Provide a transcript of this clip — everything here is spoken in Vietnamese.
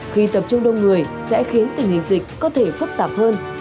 khi tập trung đông người sẽ khiến tình hình dịch có thể phức tạp hơn